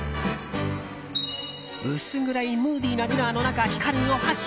薄暗いムーディーなディナーの中光るお箸。